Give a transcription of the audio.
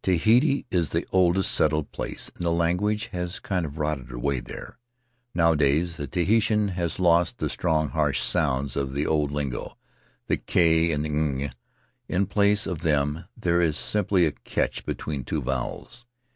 Tahiti is the oldest settled place, and the language has kind of rotted away there. Nowadays the Tahitian has lost the strong, harsh sounds of the old lingo, the h and ng; in place of them there is simply a catch between two vowels.